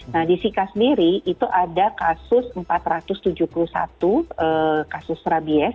nah di sika sendiri itu ada kasus empat ratus tujuh puluh satu kasus rabies